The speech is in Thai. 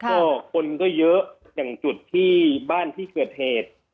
ก็คนก็เยอะอย่างจุดที่บ้านที่เกิดเหตุ